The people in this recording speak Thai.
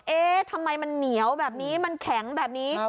เอ๊ะทำไมมันเหนียวแบบนี้มันแข็งแบบนี้